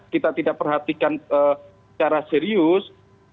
kita tidak perhatikan secara serius